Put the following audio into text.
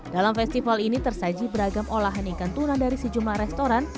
dalam festival ini tersaji beragam olahan ikan tuna dari sejumlah restoran